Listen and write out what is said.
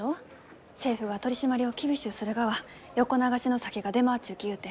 政府が取締りを厳しゅうするがは横流しの酒が出回っちゅうきゆうて。